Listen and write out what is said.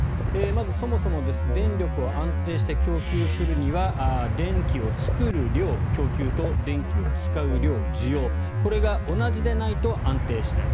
まず、そもそも電力を安定して供給するには電気を作る量、供給と電気を使う量、需要がこれが同じでないと安定しない。